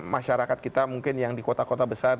masyarakat kita mungkin yang di kota kota besar